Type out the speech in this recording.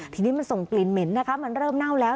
ทีนี้มันส่งกลิ่นเหม็นนะคะมันเริ่มเน่าแล้ว